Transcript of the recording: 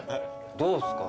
どうですか？